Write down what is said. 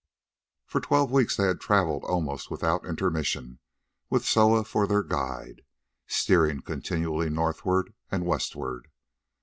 For twelve weeks they had travelled almost without intermission with Soa for their guide, steering continually northward and westward.